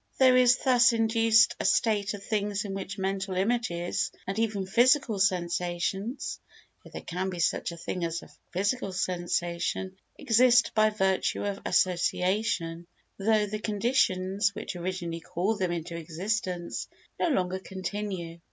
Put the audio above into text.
There is thus induced a state of things in which mental images, and even physical sensations (if there can be such a thing as a physical sensation) exist by virtue of association, though the conditions which originally called them into existence no longer continue.